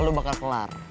lu bakal kelar